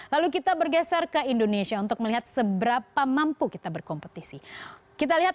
lalu kita bergeser ke indonesia untuk melihat seberapa mampu kita berkompetisi kita lihat